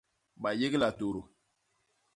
Bayégla tôdô.